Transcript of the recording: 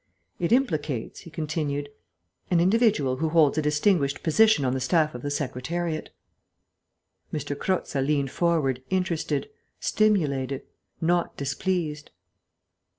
"It implicates," he continued, "an individual who holds a distinguished position on the staff of the Secretariat." M. Croza leant forward, interested, stimulated, not displeased.